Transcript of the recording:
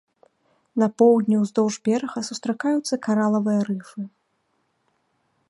На поўдні ўздоўж берага сустракаюцца каралавыя рыфы.